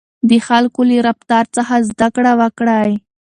د خلکو له رفتار څخه زده کړه وکړئ.